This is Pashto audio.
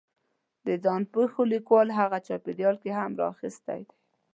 د ځان پېښو لیکوال هغه چاپېریال یې هم را اخستی دی